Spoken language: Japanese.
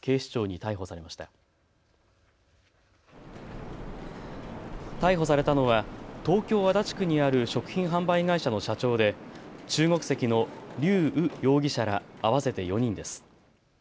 逮捕されたのは東京足立区にある食品販売会社の社長で中国籍の劉禹容疑者ら合わせて４人です。